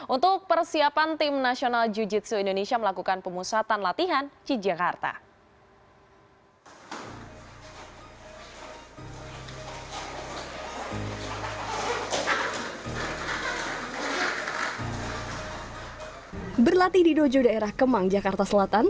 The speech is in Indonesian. untuk persiapan tim nasional jiu jitsu indonesia melakukan pemusatan latihan di jakarta selatan